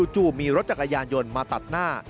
จู่มีรถจักรยานยนต์มาตัดหน้า